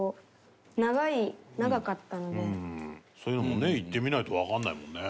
そういうのもね行ってみないとわからないもんね。